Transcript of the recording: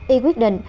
y quyết định